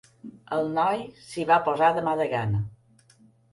El noi s'hi va posar de mala gana.